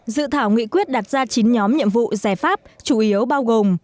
dự thảo nghị quyết đặt ra chín nhóm nhiệm vụ giải pháp chủ yếu bao gồm